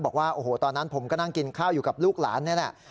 บอกว่าโอ้โหตอนนั้นผมก็นั่งกินข้าวอยู่กับลูกหลานนี่แหละ